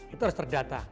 itu harus terdata